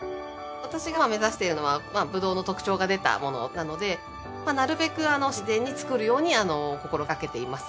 私が目指しているのはブドウの特徴が出たものなのでなるべくしぜんにつくるように心がけています。